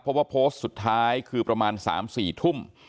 เพราะว่าโพสต์สุดท้ายคือประมาณ๓๔ทุ่ม